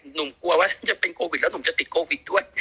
หนุ่มกลัวว่าจะเป็นโกวิทแล้วหนุ่มจะติดโกวิทด้วย